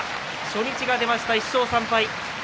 初日が出ました、１勝３敗。